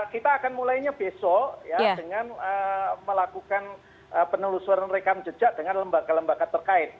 kita akan mulainya besok ya dengan melakukan penelusuran rekam jejak dengan lembaga lembaga terkait